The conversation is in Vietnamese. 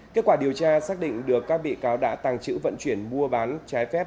kết quả điều tra xác định được các bị cáo đã tàng trữ vận chuyển mua bán trái phép